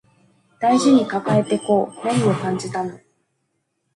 大事に抱えてこう何を感じたの